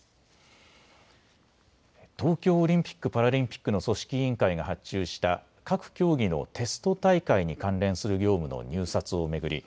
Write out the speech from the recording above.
東京オリンピック・パラリンピックの組織委員会が発注した各競技のテスト大会に関連する業務の入札を巡り